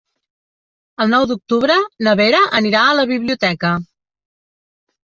El nou d'octubre na Vera anirà a la biblioteca.